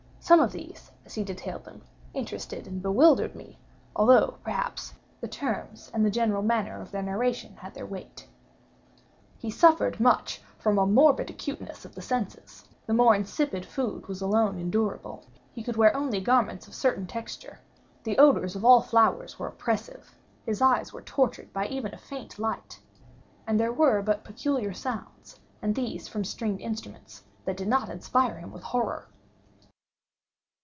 Some of these, as he detailed them, interested and bewildered me; although, perhaps, the terms, and the general manner of the narration had their weight. He suffered much from a morbid acuteness of the senses; the most insipid food was alone endurable; he could wear only garments of certain texture; the odors of all flowers were oppressive; his eyes were tortured by even a faint light; and there were but peculiar sounds, and these from stringed instruments, which did not inspire him with horror.